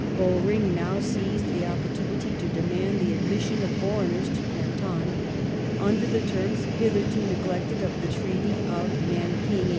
Bowring now seized the oppor tunity to demand the admission of foreigners to Canton, under the terms, hitherto neglected, of the Treaty of Nankin (1842).